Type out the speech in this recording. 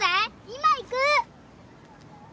今行く！